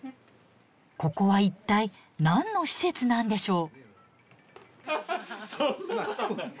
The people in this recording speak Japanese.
ここは一体何の施設なんでしょう。